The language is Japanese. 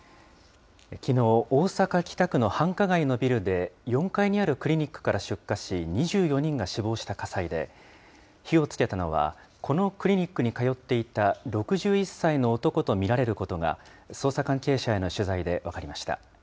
きのう、大阪・北区の繁華街のビルで、４階にあるクリニックから出火し、２４人が死亡した火災で、火をつけたのは、このクリニックに通っていた６１歳の男と見られることが、捜査関係者への取材で分かりました。